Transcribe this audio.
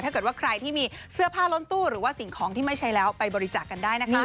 ถ้าเกิดว่าใครที่มีเสื้อผ้าล้นตู้หรือว่าสิ่งของที่ไม่ใช้แล้วไปบริจาคกันได้นะคะ